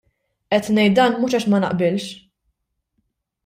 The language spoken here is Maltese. Qed ngħid dan mhux għax ma naqbilx.